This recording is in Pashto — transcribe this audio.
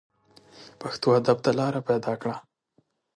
پښتو ادب ته لاره پیدا کړه